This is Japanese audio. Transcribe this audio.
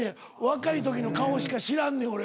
若いときの顔しか知らんねん俺。